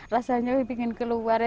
rasanya ingin keluar